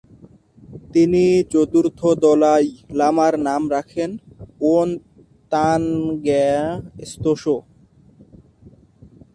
তিনি চতুর্থ দলাই লামার নাম রাখেন য়োন-তান-র্গ্যা-ম্ত্শো।